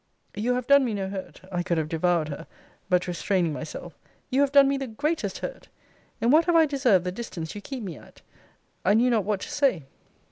You have done me no hurt. I could have devoured her but restraining myself You have done me the greatest hurt! In what have I deserved the distance you keep me at? I knew not what to say.